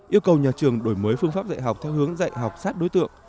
yêu cầu nhà trường đổi mới phương pháp dạy học theo hướng dạy học sát đối tượng